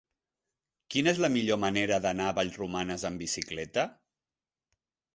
Quina és la millor manera d'anar a Vallromanes amb bicicleta?